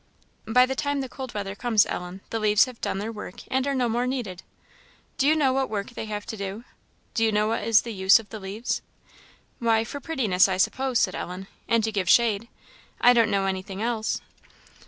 "By the time the cold weather comes, Ellen, the leaves have done their work, and are no more needed. Do you know what work they have to do? do you know what is the use of leaves?" "Why, for prettiness, I suppose," said Ellen, "and to give shade; I don't know anything else."